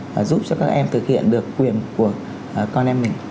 và giúp cho các em thực hiện được quyền của con em mình